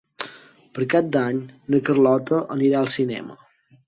Per Cap d'Any na Carlota anirà al cinema.